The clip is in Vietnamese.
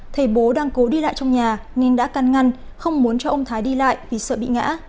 thầy bố đang cố đi lại trong nhà nên đã căn ngăn không muốn cho ông thái đi lại vì sợ bị ngã